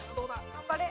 頑張れ。